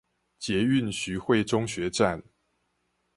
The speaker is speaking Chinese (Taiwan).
捷運徐匯中學站